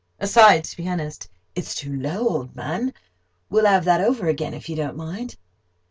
(Aside to pianist): "It is too low, old man; we'll have that over again, if you don't mind."